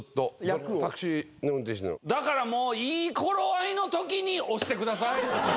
だからもういい頃合いのときに押してください。